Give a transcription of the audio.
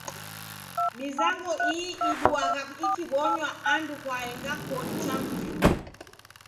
Mizango ii iduagha ikibonywa andu kwaenga koni cha mizinyi.